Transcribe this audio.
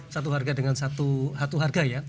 satu harga dengan satu hatu harga